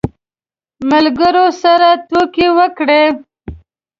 ملګرو سره ټوکې وکړې.